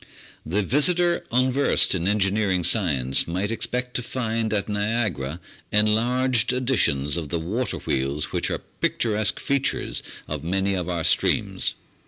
The visitor unversed in engineering science might expect to find at Niagara enlarged editions of the water wheels which are picturesque features of many of our streams.